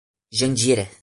Jandira